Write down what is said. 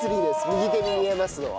右手に見えますのは。